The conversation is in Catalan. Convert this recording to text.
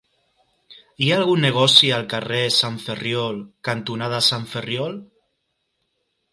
Hi ha algun negoci al carrer Sant Ferriol cantonada Sant Ferriol?